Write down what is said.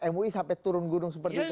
mui sampai turun gunung seperti itu